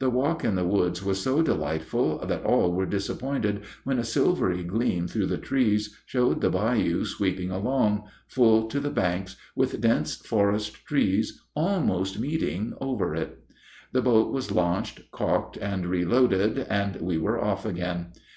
The walk in the woods was so delightful that all were disappointed when a silvery gleam through the trees showed the bayou sweeping along, full to the banks, with dense forest trees almost meeting over it. The boat was launched, calked, and reloaded, and we were off again.